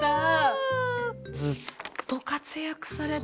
ずっと活躍されて。